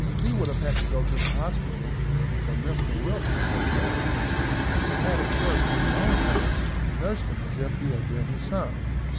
He would have had to go to the hospital, but Mr Wilkie sent a litter for him, and had him carried to his own house, and nursed him as if he had been his son.